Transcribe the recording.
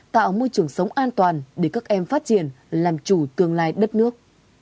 tạo môi trường sống an toàn để các em phát triển làm chủ tương lai đất nước